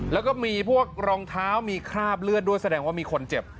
แล้วก็มีพวกรองเท้ามีคราบเลือดด้วยแสดงว่ามีคนเจ็บ